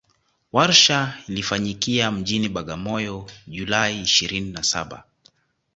Warsha ilifanyikia mjini Bagamoyo July ishirini na Saba